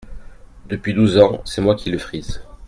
Depuis douze ans, c’est moi qui le frise…